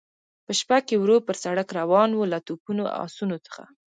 په شپه کې ورو پر سړک روان و، له توپونو، اسونو څخه.